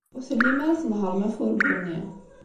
Ur tellim ara tnehhṛem afurgu-nni.